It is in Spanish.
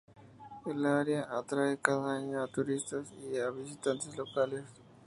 El área atrae cada año a turistas y a visitantes locales.